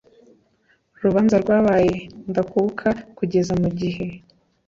rubanza rwabaye ndakuka kugeza mu gihe